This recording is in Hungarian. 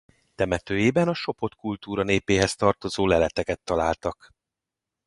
Temetőjében a Sopot kultúra népéhez tartozó leleteket találtak.